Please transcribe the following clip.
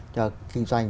cho kinh doanh